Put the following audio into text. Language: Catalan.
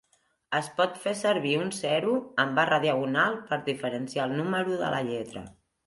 Es pot fer servir un zero amb barra diagonal per diferenciar el número de la lletra.